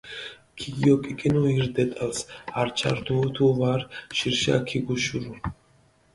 ქიგიოკიკინუ ირ დეტალს, ართშა რდუო დო ვარ ჟირშა ქიგუშურუ.